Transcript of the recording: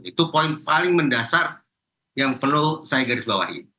itu poin paling mendasar yang perlu saya garis bawahi